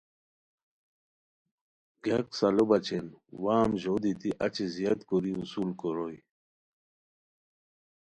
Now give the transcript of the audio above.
گیاک سالو بچین وام ژو دیتی اچی زیاد کوری وصول کوروئے